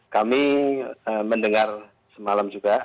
kami mendengar semalam juga